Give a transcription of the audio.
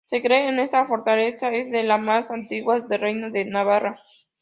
Se cree que esta fortaleza es de las más antiguas del Reino de Navarra.